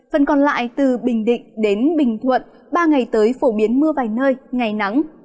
tại từ bình định đến bình thuận ba ngày tới phổ biến mưa vài nơi ngày nắng